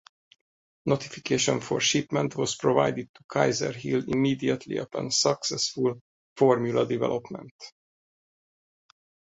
Notification for shipment was provided to Kaiser-Hill immediately upon successful formula development.